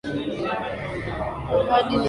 Ahadi ni deni